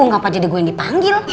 gapapa jadi gue yang dipanggil